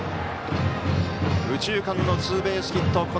右中間のツーベースヒット。